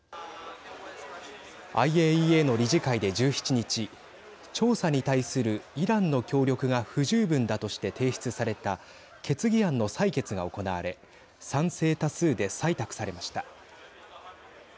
ＩＡＥＡの理事会で１７日調査に対するイランの協力が不十分だとして提出された決議案の採決が行われ賛成多数で採択されました。